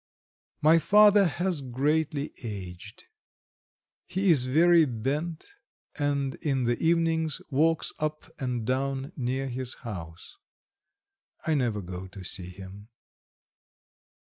My father has greatly aged; he is very bent, and in the evenings walks up and down near his house. I never go to see him.